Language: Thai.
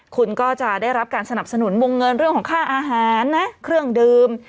คุณก็จะได้รับการสนับสนุนวงเงินเรื่องของค่าอาหารนะเครื่องดื่ม